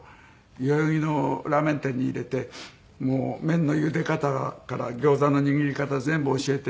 代々木のラーメン店に入れて麺のゆで方からギョーザの握り方全部教えて。